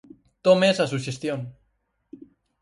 Tome esa suxestión.